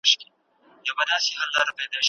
زه نه غواړم داسې کتاب ولولم.